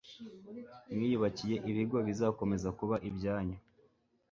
mwiyubakiye ibigo bizakomeza kuba ibyanyu